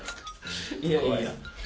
いやいや。